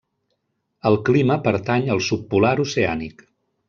El clima pertany al subpolar oceànic.